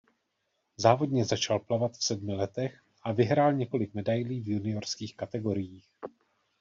Závodně začal plavat v sedmi letech a vyhrál několik medailí v juniorských kategoriích.